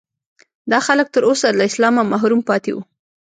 دا خلک تر اوسه له اسلامه محروم پاتې وو.